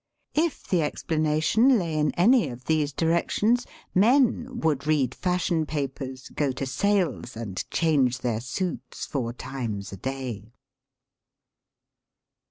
If the explana tion lay in any of these directions men would read fashion papers, go to sales, and change their suits four times a day.